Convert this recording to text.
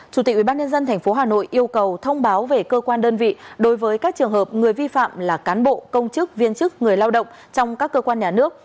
chủ tịch ubnd tp hà nội yêu cầu thông báo về cơ quan đơn vị đối với các trường hợp người vi phạm là cán bộ công chức viên chức người lao động trong các cơ quan nhà nước